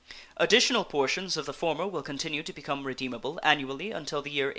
Additional portions of the former will continue to become redeemable annually until the year 1835.